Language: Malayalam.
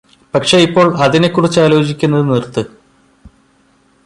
പക്ഷെ ഇപ്പോൾ അതിനെ കുറിച്ചാലോചിക്കുന്നത് നിർത്ത്